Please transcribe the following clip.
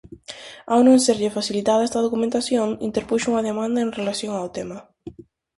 Ao non serlle facilitada esta documentación, interpuxo unha demanda en relación ao tema.